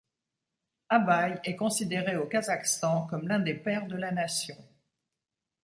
Abaï est considéré au Kazakhstan comme l'un des pères de la nation.